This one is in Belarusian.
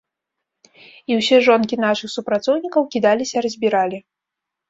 І ўсе жонкі нашых супрацоўнікаў кідаліся-разбіралі.